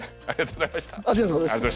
ありがとうございます。